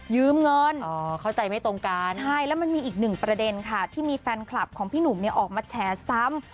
เงินเข้าใจไม่ตรงกันใช่แล้วมันมีอีกหนึ่งประเด็นค่ะที่มีแฟนคลับของพี่หนุ่มเนี่ยออกมาแฉซ้ำ